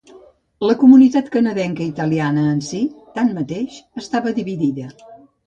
La comunitat canadenca italiana en si, tanmateix, estava dividida.